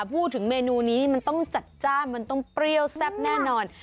พูดถึงเมนูนี้มันต้องจัดจ้านมันต้องเปรี้ยวแซ่บแน่นอน